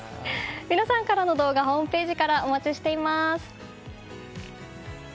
皆さんからの動画ホームページからお待ちしています。